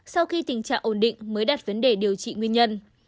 sau khi tình trạng ổn định mới đặt vấn đề điều trị nguyên nhân